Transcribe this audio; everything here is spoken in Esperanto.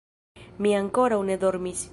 Mi ankoraŭ ne dormis.